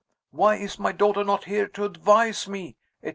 why is my daughter not here to advise me," etc.